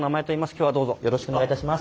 今日はどうぞよろしくお願いいたします。